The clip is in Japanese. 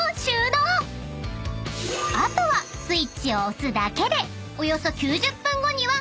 ［あとはスイッチを押すだけで］